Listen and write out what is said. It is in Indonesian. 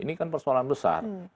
ini kan persoalan besar